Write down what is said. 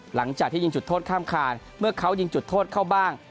หลังจากที่ยิงจุดโทษข้ามคานเมื่อเขายิงจุดโทษเข้าบ้าง